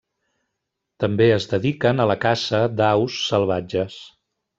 També es dediquen a la caça d'aus salvatges.